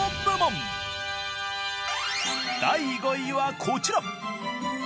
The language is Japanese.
第５位はこちら。